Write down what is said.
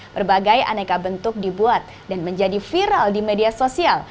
berbagai aneka bentuk dibuat dan menjadi viral di media sosial